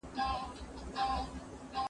د وطن تیارې سهار سي لا به ښه سي